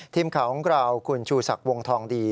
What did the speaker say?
ทีมข่าวของเราคุณชูศักดิ์วงทองดี